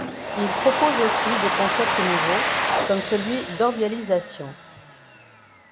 Il propose aussi des concepts nouveaux, comme celui d’orbialisation.